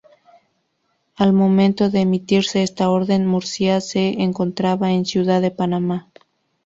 Al momento de emitirse esta orden, Murcia se encontraba en Ciudad de Panamá.